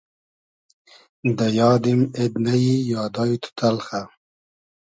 دۂ یادیم اېد نئیی یادای تو تئلخۂ